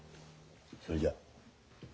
それじゃ。